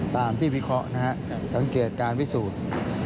ตามที่วิเคราะห์นะฮะสังเกตการพิสูจน์